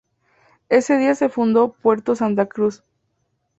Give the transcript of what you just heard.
Ese día se fundó Puerto Santa Cruz.